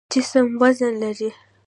جسم وزن لري.